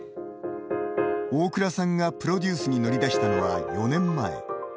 大倉さんがプロデュースに乗り出したのは４年前。